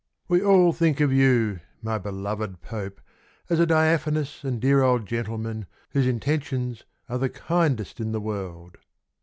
We all think of you, my beloved Pope, As a diaphanous and dear old gentleman Whose intentions are the kindest in the world.